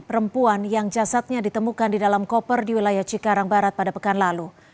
perempuan yang jasadnya ditemukan di dalam koper di wilayah cikarang barat pada pekan lalu